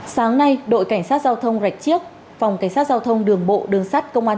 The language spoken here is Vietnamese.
sáng nay đội cảnh sát giao thông rạch chiếc phòng cảnh sát giao thông đường bộ đường sát công an